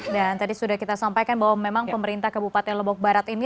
dan tadi sudah kita sampaikan bahwa memang pemerintah kabupaten lombok barat ini